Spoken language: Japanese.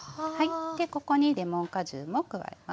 でここにレモン果汁も加えます。